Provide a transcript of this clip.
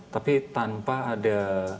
tapi tanpa ada